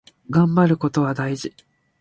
がんばることは大事。